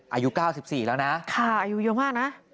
อายุ๙๔แล้วนะอายุเยอะมากนะ